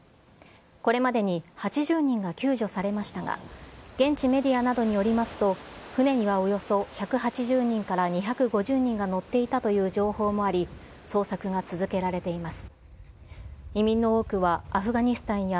これまでに８０人が救助されましたが、現地メディアなどによりますと、船にはおよそ１８０人から２５０人が乗っていたという情報もあり、捜索が続けられています。